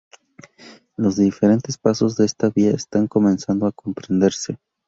Los diferentes pasos de esta vía están comenzando a comprenderse.